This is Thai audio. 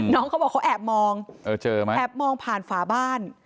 เขาบอกเขาแอบมองแอบมองผ่านฝาบ้าน